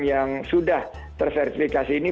yang sudah tersertifikasi ini